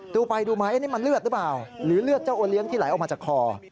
ไปดูไหมนี่มันเลือดหรือเปล่าหรือเลือดเจ้าโอเลี้ยงที่ไหลออกมาจากคอ